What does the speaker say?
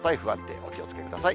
お気をつけください。